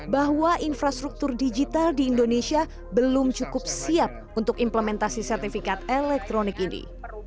bahwa infrastruktur digital di indonesia belum cukup siap untuk implementasi sertifikat elektronik ini